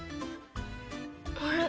あれ？